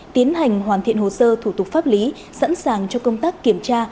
tiến hành hoàn thiện hồ sơ thủ tục pháp lý sẵn sàng cho công tác kiểm tra